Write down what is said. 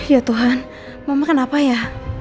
ya tuhan mama kenapa ya